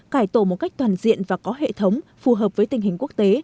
cải tổ một cách toàn diện và có hệ thống phù hợp với tình hình quốc tế